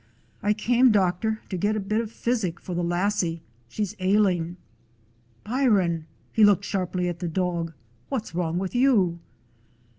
"I came, doctor, to get a bit o' physic for the lassie. She 's ailing. Byron," — he looked sharply at the dog, — "what 's wrong with you?"